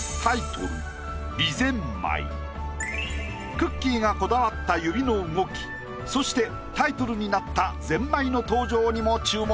くっきー！がこだわった指の動きそしてタイトルになったゼンマイの登場にも注目。